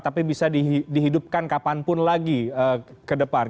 tapi bisa dihidupkan kapanpun lagi ke depan